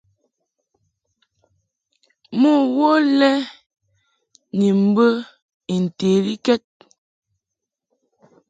Mo wo lɛ ni mbə I ntelikɛd.